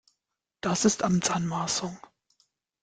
Das ist Amtsanmaßung!